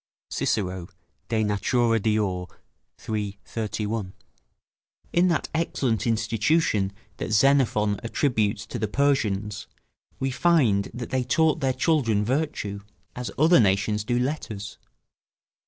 Cicero, De Natura Deor., iii., 31.] In that excellent institution that Xenophon attributes to the Persians, we find that they taught their children virtue, as other nations do letters.